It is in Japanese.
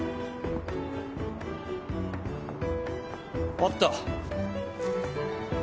あった！